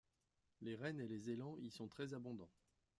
Les rennes et les élans y sont très abondants.